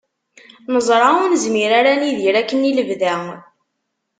Neẓra ur nezmir ara ad nidir akken i lebda.